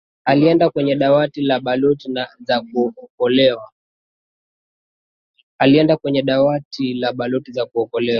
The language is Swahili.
alienda kwenye dawati la boti za kuokolea